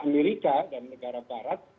amerika dan negara barat